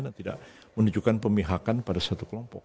dan tidak menunjukkan pemihakan pada satu kelompok